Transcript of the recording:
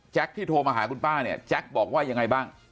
ที่โทรมาหาคุณป้าเนี่ยแจ็คบอกว่ายังไงบ้าง